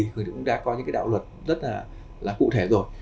thì cũng đã có những cái đạo luật rất là cụ thể rồi